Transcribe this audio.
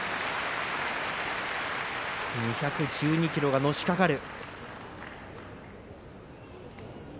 ２１２ｋｇがのしかかる。